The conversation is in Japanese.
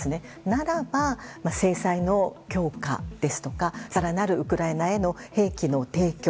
ならば制裁の強化ですとか更なるウクライナへの兵器の提供